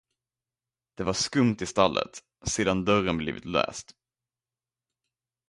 Det var skumt i stallet, sedan dörren blivit läst.